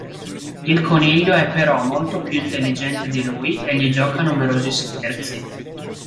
Il coniglio è però molto più intelligente di lui e gli gioca numerosi scherzi.